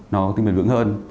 nó có cái bền vững hơn